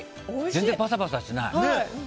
全然パサパサしてない。